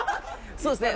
そうですね